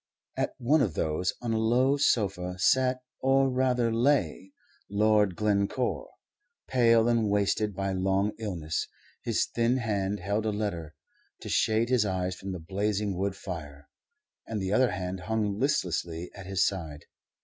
At one of those, on a low sofa, sat, or rather lay, Lord Glencore, pale and wasted by long illness. His thin hand held a letter, to shade his eyes from the blazing wood fire, and the other hand hung listlessly at his side.